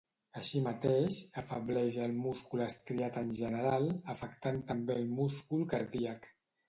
Així mateix, afebleix al múscul estriat en general, afectant també el múscul cardíac.